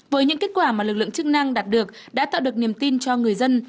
với những kết quả mà lực lượng chức năng đạt được đã tạo được niềm tin cho người dân